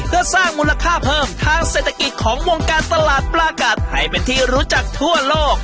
เพื่อสร้างมูลค่าเพิ่มทางเศรษฐกิจของวงการตลาดปลากัดให้เป็นที่รู้จักทั่วโลก